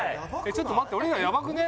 ちょっと待って俺らヤバくね？